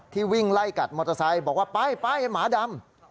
วิ่งไล่กัดมอเตอร์ไซค์บอกว่าไปไปหมาดำ